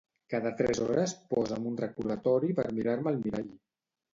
Cada tres hores posa'm un recordatori per mirar-me al mirall.